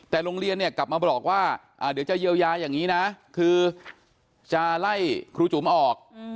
แต่โรงเรียนเนี่ยกลับมาบอกว่าเดี๋ยวจะเยียวยาอย่างนี้นะคือจะไล่ครูจุ๋มออก